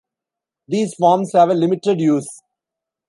These forms have a limited use.